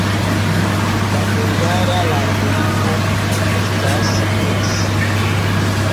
La hungara landlimo estas proksime.